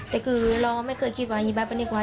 แต่คือเราไม่เคยคิดว่ายีแบบให้กว่า